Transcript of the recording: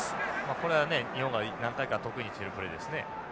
これはね日本が何回か得意にしているプレーですね。